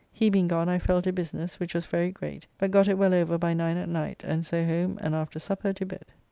He being gone I fell to business, which was very great, but got it well over by nine at night, and so home, and after supper to bed.